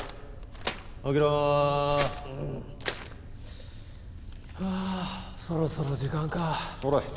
起きろうんはあそろそろ時間かほれ